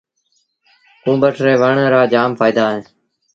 ڪُوڀٽ ري وڻ رآ جآم ڦآئيدآ اهيݩ۔